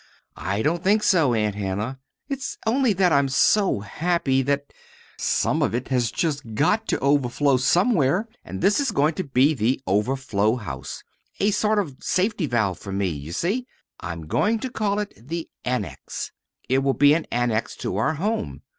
"I don't think so, Aunt Hannah. It's only that I'm so happy that some of it has just got to overflow somewhere, and this is going to be the overflow house a sort of safety valve for me, you see. I'm going to call it the Annex it will be an annex to our home.